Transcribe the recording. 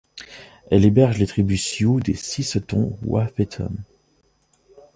Elle héberge les tribus Sioux des Sisseton-Wahpeton.